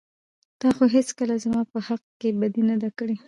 تا خو هېڅکله زما په حق کې بدي نه ده کړى.